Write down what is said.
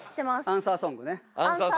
アンサーソング。